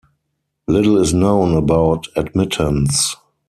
Little is known about "Admittance".